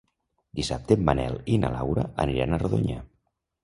Dissabte en Manel i na Laura aniran a Rodonyà.